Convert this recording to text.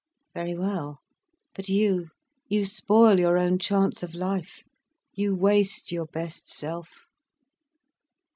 "Very well. But you, you spoil your own chance of life—you waste your best self."